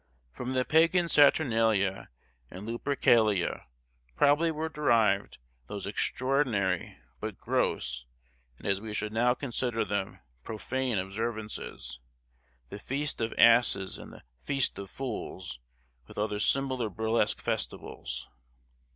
From the pagan Saturnalia and Lupercalia probably were derived those extraordinary but gross, and as we should now consider them, profane observances, the Feast of Asses and the Feast of Fools, with other similar burlesque festivals.